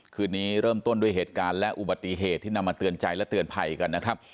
คืนนี้เริ่มต้นด้วยเหตุการณ์และอุบัติเหตุที่นำมาเตือนใจและเตือนภัยกันนะครับ